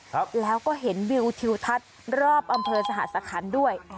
ครับแล้วก็เห็นวิวทิวทัศน์รอบอำเภอสหสคันด้วย